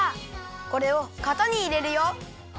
これをかたにいれるよ！